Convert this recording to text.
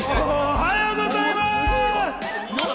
おはようございます。